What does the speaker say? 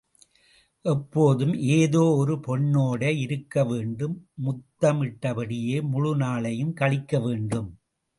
ஏப்போதும் ஏதோ ஒரு பெண்ணோடு இருக்க வேண்டும்... முத்தமிட்டபடியே முழு நாளையும் கழிக்க வேண்டும்.